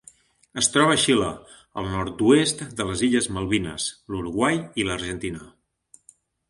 Es troba a Xile, el nord-oest de les Illes Malvines, l'Uruguai i l'Argentina.